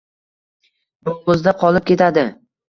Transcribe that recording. bo‘g‘izda qolib ketadi